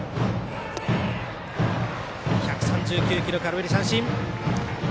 １３９キロ空振り三振。